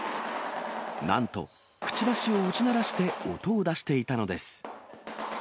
なんと、くちばしを打ち鳴らして音を出していたのです。